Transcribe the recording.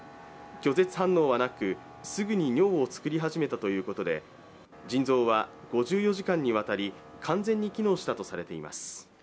拒絶反応はなくすぐに尿を作り始めたということで腎臓は５４時間にわたり完全に機能したとされています。